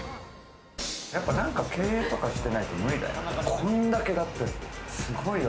やっぱなんか経営とかしてないと無理だよ。